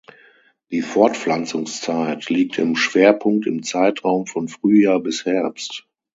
Die Fortpflanzungszeit liegt im Schwerpunkt im Zeitraum von Frühjahr bis Herbst.